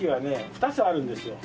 ２つあるんですよ。